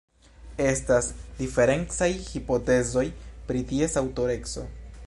Estas diferencaj hipotezoj pri ties aŭtoreco.